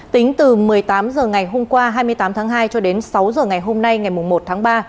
tính từ một mươi tám h ngày hôm qua hai mươi tám tháng hai cho đến sáu h ngày hôm nay ngày một tháng ba